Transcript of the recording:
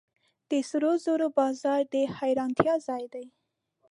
د سرو زرو بازار د حیرانتیا ځای دی.